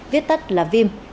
viết tắt là vim